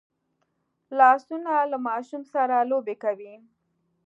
لاسونه له ماشوم سره لوبې کوي